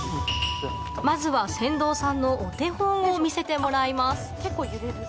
まずは船頭さんのお手本を見せてもらいます結構揺れる。